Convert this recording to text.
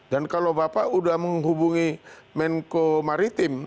dan kalau bapak udah menghubungi menko maritim